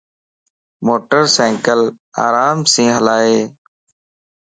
موٽر سينڪل آرام سين ھلائي